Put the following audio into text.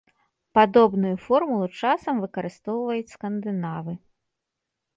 Падобную формулу часам выкарыстоўваюць скандынавы.